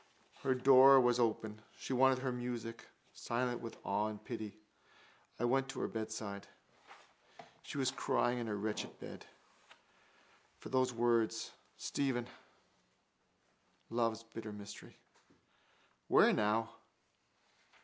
Her door was open: she wanted to hear my music. Silent with awe and pity I went to her bedside. She was crying in her wretched bed. For those words, Stephen: love's bitter mystery. Where now?